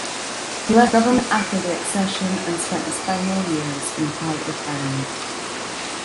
He left government after the accession and spent his final years in quiet retirement.